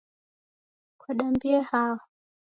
Kwadambie hao?